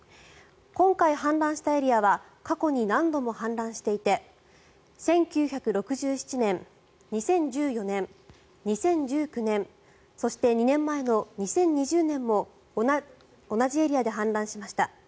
今回、氾濫したエリアは過去に何度も氾濫していて１９６７年、２０１４年２０１９年そして２年前の２０２０年も同じエリアで氾濫しました。